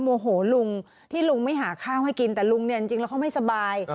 โมโหลุงที่ลุงไม่หาข้าวให้กินแต่ลุงเนี่ยจริงแล้วเขาไม่สบาย